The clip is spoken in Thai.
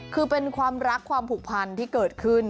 คือเป็นความรักความผูกพันที่เกิดขึ้น